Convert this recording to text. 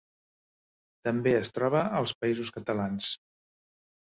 També es troba als Països Catalans.